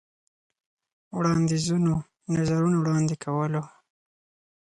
وړاندیزونو ، نظرونه وړاندې کولو.